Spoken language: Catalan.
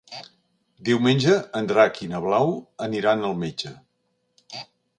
Diumenge en Drac i na Blau aniran al metge.